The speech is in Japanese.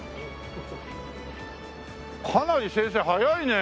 かなり先生速いね。